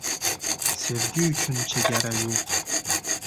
• Sevgi uchun chegara yo‘q.